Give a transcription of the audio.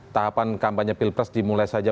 tahapan kampanye pilpres dimulai saja